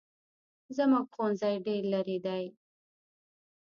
زموږ ښوونځی ډېر لري دی